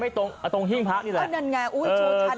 ชูถันมาแบบนี้